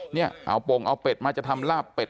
เนี่ยเอาโป่งเอาเป็ดมาจะทำลาบเป็ด